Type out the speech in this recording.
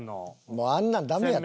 もうあんなんダメやって。